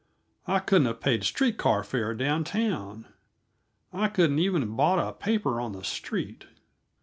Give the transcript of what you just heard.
I couldn't have paid street car fare down town; I couldn't even have bought a paper on the street.